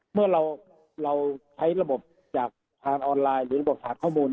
เมื่อเราใช้ระบบจากทางออนไลน์หรือระบบสารข้อมูล